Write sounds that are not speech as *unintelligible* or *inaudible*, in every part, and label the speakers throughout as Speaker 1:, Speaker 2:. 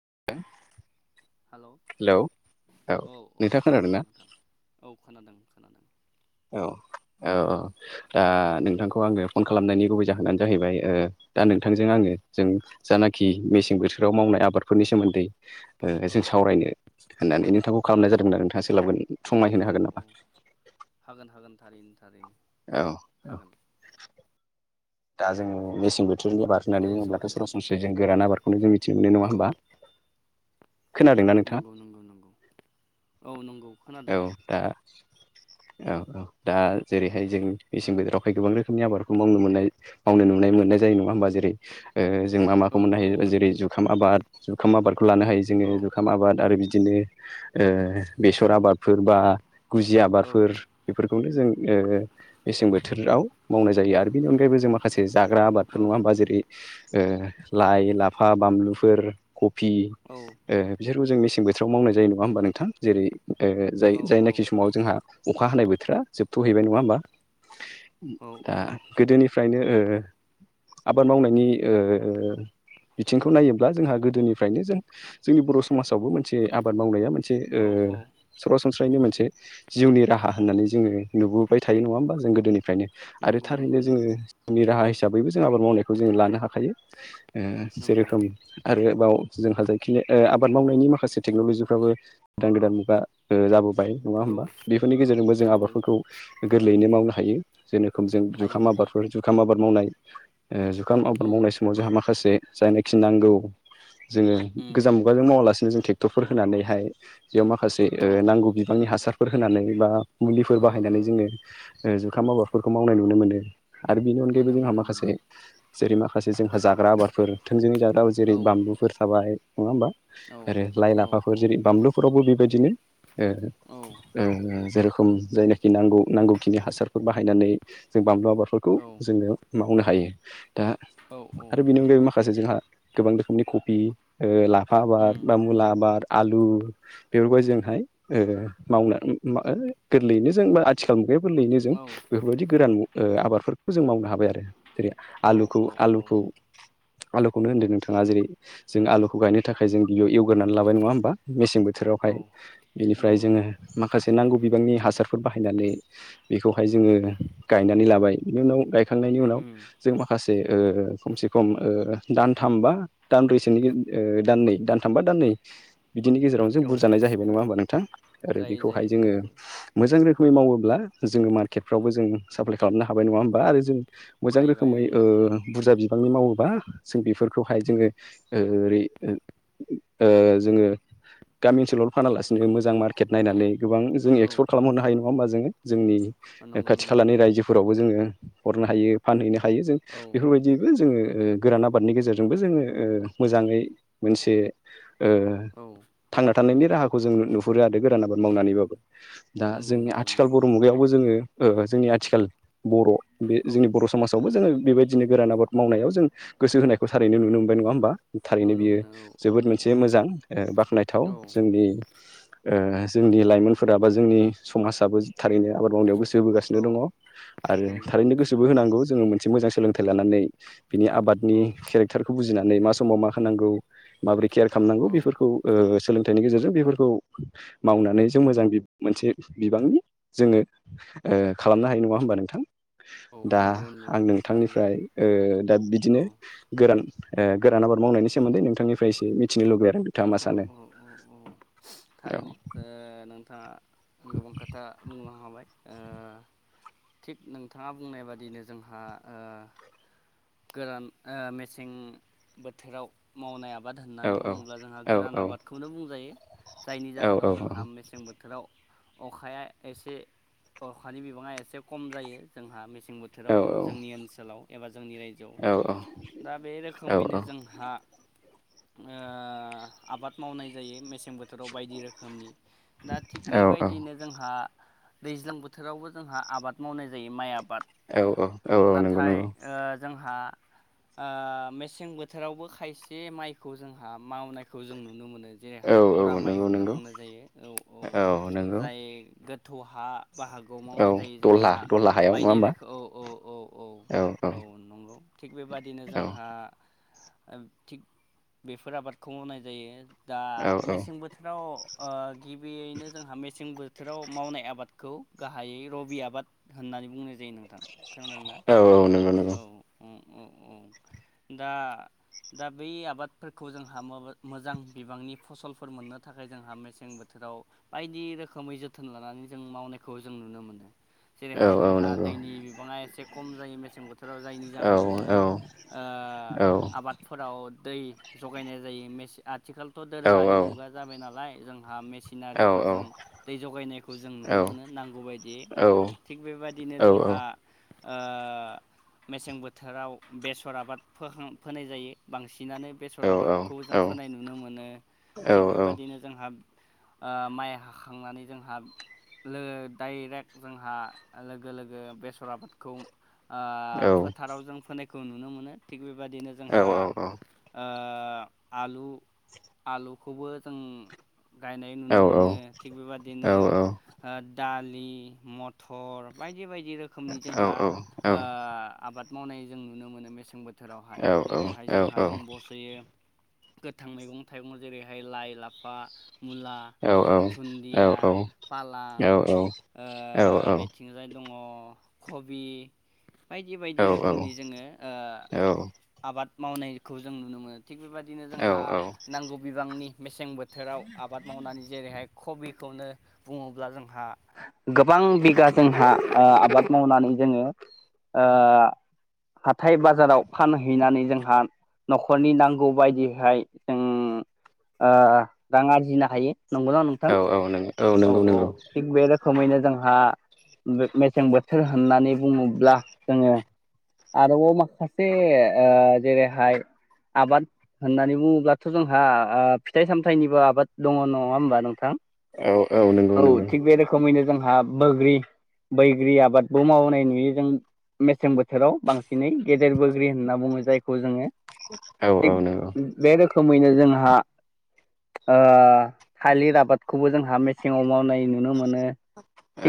Speaker 1: *unintelligible*
Speaker 2: Hello औ औ
Speaker 1: नोंथाङा खोनादों ना
Speaker 2: नोंथां औ खोनादों खोनादों।
Speaker 1: औ औ दा नोंथांखौ आङो फन खालामनायनि गुबै जाहोनानो जाहैबाय ओ दा
Speaker 2: औ
Speaker 1: नोंथांजों आङो जों जानाखि मेसें बोथोराव मावनाय आबादफोरनि सोमोन्दै ओ
Speaker 2: औ
Speaker 1: जों सावरायनो होननानै नोंथांखौ खालामनाय जादोंमोन आरो नोंथाङासो सोलाबगोन
Speaker 2: औ
Speaker 1: समाय होनो
Speaker 2: औ
Speaker 1: हागोन
Speaker 2: औ
Speaker 1: नामा?
Speaker 2: हागोन हागोन थारैनो थारैनो
Speaker 1: औ औ
Speaker 2: हागोन।
Speaker 1: दा जोङो मेसें बो थोरनि आबाद
Speaker 2: दे
Speaker 1: होननानै बुङोब्लाथ'
Speaker 2: सावरायजागोन
Speaker 1: सरासनस्रै जों गोरान आबादखौनो जों मिथि मोनो नङा
Speaker 2: औ
Speaker 1: होमबा। खोनादोंना नोंथाङा
Speaker 2: नंगौ नंगौ नंगौ औ नंगौ। खोनादों
Speaker 1: औ दा औ औ दा जेरै हाय जों मेसें बोथोरावहाय गोबां रोखोमनि आबाद खौ मावनो मोननाय मावनो नुनाय मोननाय जायो नङा होमबा जेरै ओ जों मा माखौ
Speaker 2: ओ
Speaker 1: मोननो
Speaker 2: औ
Speaker 1: हायो जेरै जुखाम आबाद जुखाम आबादखौ लानो हायो जोङो
Speaker 2: औ
Speaker 1: जुखाम आबाद आरो बि दिनो ओ बेसर आबादफोर बा गुजि
Speaker 2: औ
Speaker 1: आबादफोर बेफोर खौनो जों ओ मेसें बोथोराव मावनाय जायो आरो बेनि अनगायैबो जों माखासे जाग्रा आबादफोर
Speaker 2: औ
Speaker 1: नङा होमबा जेरै ओ लाइ लाफा बानलुफोर कफि
Speaker 2: औ
Speaker 1: ओ बिसोरखौ जों मेसें बोथोराव मावनाय जायो नङा होमबा नोंथां जेरै ओ जाय
Speaker 2: औ
Speaker 1: जायनाखि समाव जोंहा अखा हानाय बोथोरा जोबथ'हैबाय नङा होमबा।
Speaker 2: औ
Speaker 1: दा गोदोनिफ्रायनो ओ आबाद मावनायनि ओ बिथिंखौ नायोब्ला जोंहा गोदोनिफ्रायनो जों जोंनि बर' समाजावबो मोनसे आबाद मावनाया मोन से ओ
Speaker 2: औ औ
Speaker 1: सरासनस्रायनि मोनसे जिउनि राहा होननानै जोङो नुबोबाय थायो नङा होमबा जों गोदोनि फ्रायनो आरो
Speaker 2: नंगौ नंगौ
Speaker 1: थारैनो जोङो
Speaker 2: नंगौ
Speaker 1: जिउनि राहा हिसाबैबो जों आबाद मावनायखौ जों लानो हाखायो। ओ जे
Speaker 2: नंगौ
Speaker 1: रोखोम *unintelligible* आरोबाव जोंहा जायखि ओ आबाद मावनायनि माखासे टेक्न'लजिफ्राबो गोदान गोदान मुगा ओ जाबोबाय नङा
Speaker 2: औ
Speaker 1: होमबा। बेफोरनि गेजेरजोंबो जों
Speaker 2: औ
Speaker 1: आबादफोरखौ गोरलैयैनो मावनो हायो। जेन रोखोम जों
Speaker 2: हायो
Speaker 1: जुखाम
Speaker 2: हायो
Speaker 1: आबादफोर जुखाम आबाद मावनाय ओ जुखाम आबाद
Speaker 2: औ
Speaker 1: मावनाय समाव जोंहा मा खासे जानोखि नांगौ जोङो
Speaker 2: उम
Speaker 1: गोजाम मुगाजों मावालासिनो जों टेक्टरफोर होनानैहाय बेयाव माखासे
Speaker 2: औ
Speaker 1: ओ नांगौ बिबांनि हासारफोर होनानै बा मुलिफोर
Speaker 2: ओ ओ
Speaker 1: बाहायनानै जोङो ओ जुखाम आबादफोरखौ मावनाय नुनो मोनो। आरो बिनि अनगायैबो
Speaker 2: मोनो
Speaker 1: जोंहा
Speaker 2: मोनो मोनो
Speaker 1: माखासे जेरै माखासे जोंहा जाग्रा आबादफोर थोंजोङै जाग्रा आबाद जेरै
Speaker 2: औ
Speaker 1: बान लुफोर थाबाय नङा होमबा
Speaker 2: औ
Speaker 1: आरो लाइ
Speaker 2: औ
Speaker 1: लाफाफोर जेरै
Speaker 2: औ
Speaker 1: बानलुफोरावबो बेबायदिनो ओ
Speaker 2: औ
Speaker 1: ओ जे रोखोम जायनाखि नांगौ नांगौखिनि हासारफोर बाहायनानै जों बानलु आबादफोरखौ
Speaker 2: औ
Speaker 1: जोङो मावहोनो हायो दा
Speaker 2: औ औ
Speaker 1: आरो बेनि अनगायै माखासे जोंहा गोबां रोखोमनि कपि ओ लाफा आबाद
Speaker 2: उम
Speaker 1: बा मुला आबाद आलु बेफोरखौहाय जों हाय ओ मावना उम ऐ गोरलैयैनो जों बा आथिखाल मुगायाव गोरलैयैनो जों
Speaker 2: औ
Speaker 1: बेफोरबायदि गोरान ओ आबादफोरखौ जों मावनो हाबाय आरो जेरै
Speaker 2: औ
Speaker 1: आलुखौ
Speaker 2: औ औ
Speaker 1: आलुखौ आलुखौनो होनदो नोंथाङा जेरै जों आलुखौ गायनो थाखाय जों बियाव एव गोरनानै लाबाय नङा होमबा मेसें
Speaker 2: औ
Speaker 1: बोथोरावहाय। बेनिफ्राय
Speaker 2: नंगौ
Speaker 1: जोङो माखासे नांगौ बिबांनि हासारफोर बाहायनानै बेखौहाय जोङो गायनानै लाबाय। बिनि उनाव गाय खांनायनि उनाव
Speaker 2: उम
Speaker 1: जों माखासे ओ खमसे खम ओ दानथाम बा दानब्रैसोनि ओ दाननै दानथाम बा दाननै बिदिनि गेजेराव जों
Speaker 2: औ
Speaker 1: बुरजानाय जाहैबाय नङा होमबा नोंथां आरो
Speaker 2: जायो जायो
Speaker 1: बेखौहाय
Speaker 2: जायो
Speaker 1: जोङो
Speaker 2: जायो
Speaker 1: मोजां रो खोमै मावोब्ला जोङो मार्केटफ्रावबो जों साप्लाय खालामनो हाबाय नङा होमबा आरो जों मोजां
Speaker 2: हाहैबाय
Speaker 1: रोखोमै ओ
Speaker 2: ओं
Speaker 1: बुरजा बि बांनि मावोबा जों बेफोरखौहाय जोङो ओरै ओ जोङो गामि ओनसोलाव फानालासिनो मोजां मारकेट नायनानै गोबां जों एक्सपर्ट खालामहरनो हायो नङा होमबा जोङो जोंनि
Speaker 2: औ नंगौ
Speaker 1: खाथि
Speaker 2: नंगौ
Speaker 1: खालानि
Speaker 2: नंगौ
Speaker 1: रायजोफोरावबो जोङो हरनो हायो फानहैनो हायो हायो
Speaker 2: औ
Speaker 1: बेफोरबायदिबो जोङो गोरान आबादनि गेजेरजोंबो जोङो मोजाङै मोनसे ओ
Speaker 2: औ
Speaker 1: थांना थानायनि राहाखौ जों नुहुरो आरो गोरान आबाद मावनानैबाबो दा
Speaker 2: नंगौ
Speaker 1: जोंनि
Speaker 2: नंगौ
Speaker 1: आथिखाल
Speaker 2: नंगौ
Speaker 1: बर' मुगायावबो जोङो जोंनि आथिखाल बर' बे
Speaker 2: औ
Speaker 1: जोंनि बर' समाजावबो जोङो बेबायदिनो गोरान आबाद मावनायाव जों गोसो होनायखौ थारैनो नुनो मोनबाय नङा होमबा थारैनो
Speaker 2: नुनो
Speaker 1: बियो
Speaker 2: मोनो औ
Speaker 1: जोबोद
Speaker 2: औ
Speaker 1: मोनसे मोजां बाख्नायथाव
Speaker 2: औ
Speaker 1: जोंनि जोंनि लाइमोनफोरा बा जोंनि समाजाबो थारैनो आबाद मावनायाव गोसो होबोगासिनो
Speaker 2: औ
Speaker 1: दङ आरो
Speaker 2: नंगौ
Speaker 1: थारैनो
Speaker 2: नंगौ
Speaker 1: गोसोबो
Speaker 2: नंगौ
Speaker 1: होनांगौ जोङो मोन मोनसे मोजां सोलोंथाइ लानानै बिनि
Speaker 2: औ
Speaker 1: आबादनि केरेक्टारखौ बुजि बुजिनानै मा समाव मा होनांगौ माबोरै केयार खालामनांगौ
Speaker 2: औ
Speaker 1: बेफोरखौ सोलोंथाइनि गेजेरजों बेफोर खौ मावनानै जों मोजां मोनसे बिबांनि जोङो खालामनो हायो नङा होमबा नोंथां दा
Speaker 2: औ नंगौ
Speaker 1: आं
Speaker 2: नंगौ थारैनो
Speaker 1: नोंथांनिफ्राय ओ दा बिदिनो
Speaker 2: औ
Speaker 1: गोरान गोरान आबाद मावनायनि सोमोन्दै नोंथांनिफ्राय इसे मिथिनो लुबैयो आरो नोंथाङा मा सानो
Speaker 2: औ-औ-औ-औ
Speaker 1: औ
Speaker 2: थारैनो नोंथाङा गोबां खोथा बुंलांखाबाय थिग नोंथाङा बुंनाय बादिनो जोंहा ओ गोरान मेसें बोथोराव मावनाय आबा बाद
Speaker 1: औ
Speaker 2: होननानै
Speaker 1: औ
Speaker 2: बुङोब्ला जोंहा
Speaker 1: औ
Speaker 2: गोरान
Speaker 1: औ
Speaker 2: आबादखौनो बुंजायो जायनि
Speaker 1: औ औ
Speaker 2: जाहोनाव जोंहा मेसें बोथोराव अखाया एसे अखानि बिबाङा एसे खम जायो जोंहा मेसें
Speaker 1: औ
Speaker 2: बोथोराव जोंनि ओनसोलाव एबा जोंनि रायजोआव
Speaker 1: औ
Speaker 2: दा बे रोखोमैनो जोंहा आबाद मावनाय जायो मे -सें बोथोराव बायदि रोखोमनि दा थिग बेबायदिनो जोंहा दैज्लां बोथोरावबो जोंहा आबाद मावनाय जायो माइ आ बाद
Speaker 1: औ औ औ नंगौ
Speaker 2: नाथाय
Speaker 1: नंगौ
Speaker 2: ओ जोंहा मेसें बोथोरावबो खायसे माइखौ जोंहा मावनाय खौ जों नुनो मोनो
Speaker 1: औ
Speaker 2: जेरैहाय
Speaker 1: औ
Speaker 2: बरा माइ
Speaker 1: नंगौ
Speaker 2: होनना
Speaker 1: नंगौ
Speaker 2: बुंनाय जायो औ-औ
Speaker 1: औ नंगौ
Speaker 2: जाय गोथौ हा बा हागोआव
Speaker 1: औ
Speaker 2: मावनाय जायो
Speaker 1: दलहा
Speaker 2: जोंहा
Speaker 1: दलहा हायाव नङा
Speaker 2: बायदि
Speaker 1: होमबा
Speaker 2: रोखोम
Speaker 1: औ औ
Speaker 2: औ-औ-औ-औ-औ नंगौ थिग बेबादिनो
Speaker 1: औ
Speaker 2: जोंहा थिग बेफोर आबादखौ मावनाय जायो दा
Speaker 1: औ औ
Speaker 2: मेसें बोथोराव गिबियैनो जोंहा मेसें बो बोथोराव मावनाय आबादखौ गाहायै रबि आबाद होननानै बुंनाय जायो नोंथां खोनादोंना
Speaker 1: औ औ नंगौ नंगौ
Speaker 2: औ-औ औ-औ दा-दा बै आबादफोरखौ जों हा मोजां बिबांनि फसलफोर मोननो थाखाय जोंहा मेसें बोथोराव बायदि रोखोमै जो जोथोन लानानै जों मावनायखौ जों नुनो मोनो
Speaker 1: औ
Speaker 2: जेरैहाय
Speaker 1: औ
Speaker 2: जोंहा
Speaker 1: नंगौ
Speaker 2: दैनि बिबाङा एसे खम जायो मेसें बोथोराव जायनि
Speaker 1: औ
Speaker 2: जाहोनाव जोङो
Speaker 1: औ औ
Speaker 2: आबादफोराव दै ज गायनाय जायो आथिखालावथ'
Speaker 1: औ
Speaker 2: दोरोङारि मुगा जाबाय नालाय जोंहा
Speaker 1: औ औ
Speaker 2: मिसिनारिफोरजों
Speaker 1: औ
Speaker 2: दै जगायनायखौ जों नुनो मोनो नांगौ बादि थिग बेबायदिनो जोंहा
Speaker 1: औ औ
Speaker 2: आ मेसें बोथोराव बेसर आबाद फोखां फोनाय जायो बांसिनानो। सर आबादखौ जों फोनाय नुनो मोनो थिग बेबादिनो जोंहा आ माइ हाखांनानै जोंहा लो डाइरेक्ट जोंहा लोगो लोगो बेसर आबादखौ। आ फोथाराव जों फोनायखौ नुनो मोनो थिग बेबादिनो जोंहा आ आलु आलुखौबो जों गायनाय नुनो मोनो थिग बेबादिनो ओ दालि मथर बायदि बायदि रोखोमनि जोंहा आ आबाद मावनाय जों नुनो मोनो मेसें बोथोरावहाय जेरैहाय जोंहा दंबसो *unintelligible* गोथां मैगं थाइगं जेरैहाय लाइ लाफा। मुला धुन्दिया पालां ओ बेथिंजाय दङ खबि बायदि बायदि
Speaker 1: औ
Speaker 2: रोखोमनि जोङो ओ‌‌
Speaker 1: औ
Speaker 2: आबाद मावनायखौ जों नुनो मोनो। थिग बेबायदिनो जोंहा
Speaker 1: नों
Speaker 2: नांगौ बिबांनि मेसें बोथोराव आबाद मावनानै जेरैहाय खबिखौनो बुङोब्ला जोंहा गोबां बिगा जोंहा ओ आबाद मावनानै जोङो ओ हाथाय बाजाराव फानहैनानै जोंहा नखर नखरनि नांगौ बायदिहाय जों ओ रां आरजिनो हायो। नंगौना नोंथां
Speaker 1: औ नंगौ
Speaker 2: औ औ
Speaker 1: नंगौ
Speaker 2: थिग बे रोखोमैनो जोंहा मेसें बोथोर होननानै बुङोब्ला जोङो आरोबाव माखासे ओ जेरैहाय आबाद होननानै बुङोब्लाथ जोंहा ओ फिथाइ सामथाइनिबो आबाद दङ नङा होमबा नोंथां।
Speaker 1: औ नंगौ
Speaker 2: औ
Speaker 1: नंगौ
Speaker 2: थिग बे रोखोमैनो जोंहा बोग्रि बैग्रि आबादखौ मावनाय नुयो जों। मेसें बोथोराव बांसिनै गेदेर बोग्रि होनना बुङो जायखौ जोङो
Speaker 1: *inaudible*
Speaker 2: थिग
Speaker 1: नंगौ
Speaker 2: बे रोखोमैनो जोंहा ओ थालिर आबादखौबो जोंहा मेसेंआव मावनाय नुनो मोनो।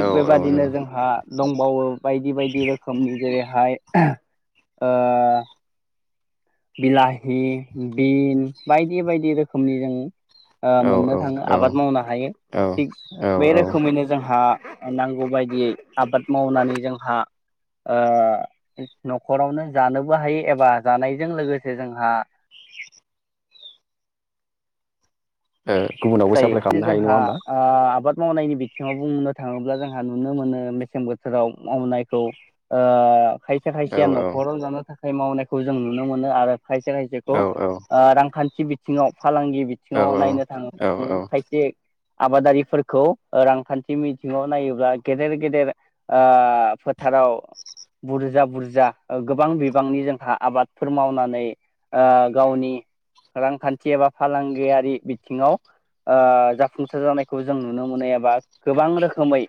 Speaker 1: औ औ
Speaker 2: बेबादिनो
Speaker 1: नंगौ
Speaker 2: जोंहा दंबावो बायदि बायदि रोखोमनि जेरै हाय ओ बिलाहि बिन बायदि बायदि रोखोमनि जों ओ
Speaker 1: औ
Speaker 2: मोननो थाङो आबाद मावनो हायो
Speaker 1: औ
Speaker 2: थिग
Speaker 1: औ
Speaker 2: बे
Speaker 1: औ
Speaker 2: रोखोमैनो जोंहा नांगौ बायदियै आबाद मावनानै जोंहा ओ नखरावनो जानोबो हायो एबा जानाय। बेजों लोगोसे जोंहा
Speaker 1: औ गुबुनावबो साप्लाय
Speaker 2: जायो
Speaker 1: खालामनो हायो नङा
Speaker 2: जोंहा
Speaker 1: होमबा
Speaker 2: आ आबाद मावनायनि बिथिङाव बुंनो थाङोब्ला जोंहा नुनो मोनो मेसें बोथोराव मावनायखौ ओ खायसे
Speaker 1: औ
Speaker 2: खायसे
Speaker 1: औ
Speaker 2: नखराव जानो थाखाय मावनायखौ जों नुनो मोनो आरो खायसे खायसेखौ
Speaker 1: औ औ
Speaker 2: ओ रांखान्थि बिथिङाव फालांगि
Speaker 1: औ
Speaker 2: बिथिङाव नायनो थाङो
Speaker 1: औ औ
Speaker 2: उम खायसे आबादारिफोरखौ रांखान्थि मिथिङाव नायोब्ला गेदेर गेदेर आ फोथार फोराव बुरजा बुरजा गोबां बिबांनि जोंहा आबादफोर मावनानै आ गावनि रांखान्थि एबा फालांगियारि बिथिङाव आ जाफुंसार जानायखौ जों नुनो मोनो एबा गोबां रोखोमै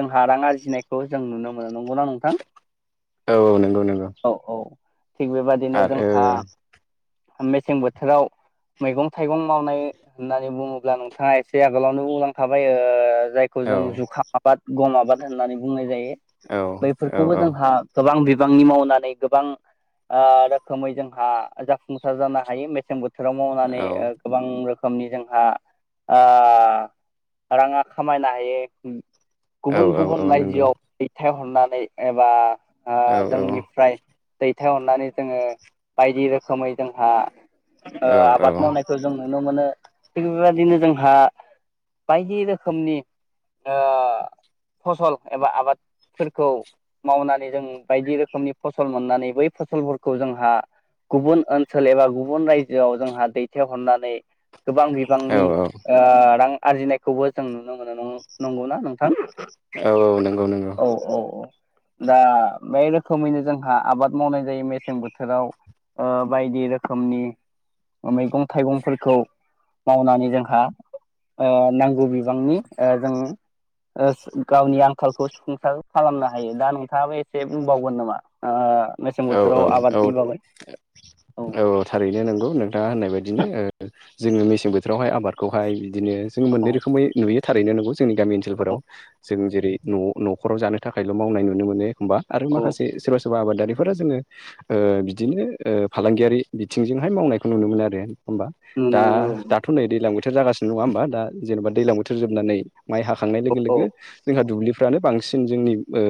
Speaker 2: जोंहा रां आरजि नायखौ जों नुनो मोनो नंगौना नोंथां।
Speaker 1: औ औ नंगौ नंगौ।
Speaker 2: औ औ थिग बेबादिनो
Speaker 1: आरो
Speaker 2: जोंहा मेसें बोथोराव मैगं थाइगं मावनाय होननानै होननानै बुङोब्ला नोंथाङा एसे आगोलावनो बुंलांखाबाय‌ ओ जायखौ
Speaker 1: औ
Speaker 2: जों जुखाम आबाद गम आबाद होननानै बुंनाय जायो
Speaker 1: औ
Speaker 2: बैफोरखौबो
Speaker 1: औ
Speaker 2: जोंहा गोबां बिबां बिबांनि मावनानै गोबां ओ रोखोमै जोंहा जाफुंसार जानो हायो मेसें बोथोर थोराव मावनानै औ गोबां रोखोमनि जों आ आ रांङा खामायनो हायो
Speaker 1: औ
Speaker 2: गुबुन
Speaker 1: औ औ
Speaker 2: गुबुन
Speaker 1: नंगौ
Speaker 2: रायजोआव दैथाय अननानै एबा आ
Speaker 1: औ औ
Speaker 2: जोंनिफ्राय दै थायहरनानै जोङो बायदि रोखोमै जोंहा ओ
Speaker 1: औ
Speaker 2: आबाद मावनायखौ जों नुनो मोनो थिग बेबायाददिनो जोंहा बायदि रोखोमनि ओ फसल एबा आबादफोरखौ मावनानै जों बायदि रोखोमनि फसल मोननानै बै फसलफोरखौ जोंहा गुबुन ओनसोल एबा गुबुन रायजोआव जोंहा दैथायहरनानै गोबां
Speaker 1: औ
Speaker 2: बिबांनि
Speaker 1: औ
Speaker 2: ओ रां आरजिनायखौबो जों नुनो मोनो नं-नंगौना नोंथां
Speaker 1: औ नंगौ नंगौ
Speaker 2: औ औ औ दा बे रोखोमैनो जोंहा आबाद मावनाय जायो मेसें बोथोराव ओ बायदि रोखोमनि मैगं थाइगंफोरखौ मावनानै जोंहा नांगौ बिबांनि ओ जों ओ गावनि आंखालखौ सुफुंसार खालामनो हायो दा नोंथाङाबो एसे बुंबावगोन नोमा ओ मेसें
Speaker 1: औ औ
Speaker 2: बोथोराव
Speaker 1: औ
Speaker 2: आबादनि बागै
Speaker 1: औ औ थारैनो नोंगौ नोंथाङा होननाय बायदिनो ओ जोङो मेसें बोथोरावहाय आबादखौहाय बिदिनो जोङो मोननै
Speaker 2: औ
Speaker 1: रोखोमै नुयो थारैनो नंगौ जोंनि गामि ओनसोलफोराव जों जेरै न' न'खराव जानो थाखायल' मावनाय नुनो मोनो होमबा आरो
Speaker 2: औ
Speaker 1: माखासे सोरबा सोरबा आबादारि फोरो जोङो ओ बिदिनो ओ फालांगियारि बिथिंजोंहाय मावनायखौ नुनो मोनो आरो होमबा दा
Speaker 2: नुनो
Speaker 1: दाथ' नै दैज्लां बोथोर जागासिनो नङा होमबा दा जेन'बा दैज्लां बोथोर जोबनानै माइ हाखांनाय
Speaker 2: औ
Speaker 1: लोगो लोगो जोंहा दुब्लि फ्रानो बांसिन जोंनि ओ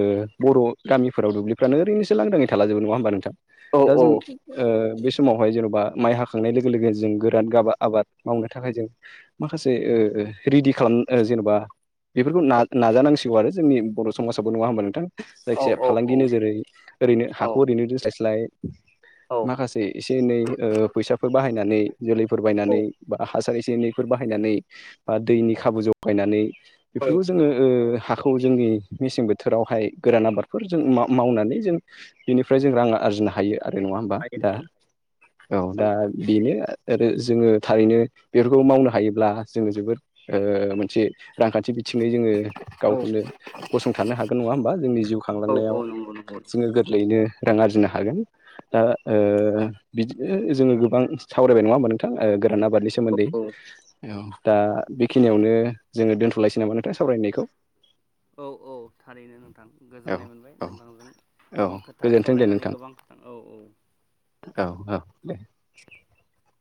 Speaker 1: बर' गामिफोराव दुब्लिफ्रानो ओरैनोसो लांदाङै थाला जोबो नङा होमबा नोंथां
Speaker 2: औ
Speaker 1: दा
Speaker 2: औ
Speaker 1: जों ओ बे समावहाय जेन'बा माइ हाखांनाय लोगो लोगो जों गोरान गाबा आबाद मावनो थाखाय जों माखासे ओ ओ रिडि खालाम जेनेबा बेफोरखौ ना नाजानांसिगौ आरो जोंनि बर' समाजावबो नङा होमबा नोंथां
Speaker 2: औ
Speaker 1: जायखिजाया
Speaker 2: औ
Speaker 1: फालांगि नोजोरै ओरैनो
Speaker 2: औ
Speaker 1: हाखौ ओरैनो दोस्लायस्लाय
Speaker 2: औ
Speaker 1: माखासे एसे एनै ओ फैसाफोर बाहायनानै जोलैफोर
Speaker 2: औ
Speaker 1: बायनानै बा हासार एसे एनैफोर बाहायनानै बा दैनि खाबु जगायनानै
Speaker 2: औ
Speaker 1: बेफोरखौ जोङो ओ हाखौ जोंनि मेसें बोथोरावहाय गोरान आबादफोर जों माव मावनानै जों बेनिफ्राय जों रां आरजिनो हायो आरो नङा होमबा
Speaker 2: हायो
Speaker 1: दा औ दा बेनो आरो आरो जोङो थारैनो बेफोरखौ मावनो हायोब्ला जोङो जोबोद ओ मोनसे रांखान्थि बिथिं थिङै जोङो
Speaker 2: औ
Speaker 1: गावखौनो गसंथानो हागोन नङा होमबा जोंनि जिउ
Speaker 2: औ
Speaker 1: खांलांनायाव
Speaker 2: औ नंगौ नंगौ
Speaker 1: जोङो गोरलैयैनो रां आरजिनो हागोन दा ओ बिदि औ जोङो गोबां सावरायबाय नङा नोंथां गोरान आबादनि
Speaker 2: औ
Speaker 1: सोमोन्दै
Speaker 2: औ
Speaker 1: औ दा बेखिनियावनो जोङो दोन्थ'लायसै नामा नोंथाय सावरायनायखौ
Speaker 2: औ औ थारैनो नोंथां
Speaker 1: औ
Speaker 2: गोजोननाय मोनबाय
Speaker 1: औ
Speaker 2: नोंथांजों गोबां खोथा
Speaker 1: गोजोनथों दे
Speaker 2: सावरायनानै
Speaker 1: नोंथां
Speaker 2: गोबां खोथा औ औ
Speaker 1: *unintelligible*